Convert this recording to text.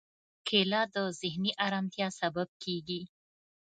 کېله د ذهني ارامتیا سبب کېږي.